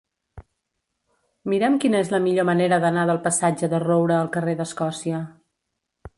Mira'm quina és la millor manera d'anar del passatge de Roura al carrer d'Escòcia.